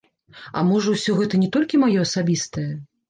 А можа ўсё гэта не толькі маё асабістае?